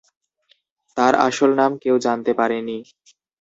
তার আসল নাম কেউ জানতে পারেনি।